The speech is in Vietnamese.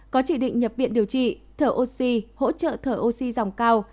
có chỉ định nhập viện điều trị thở oxy hỗ trợ thở oxy dòng cao